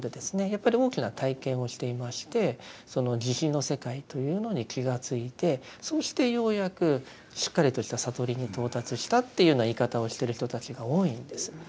やっぱり大きな体験をしていましてその慈悲の世界というのに気が付いてそうしてようやくしっかりとした悟りに到達したっていうような言い方をしてる人たちが多いんです。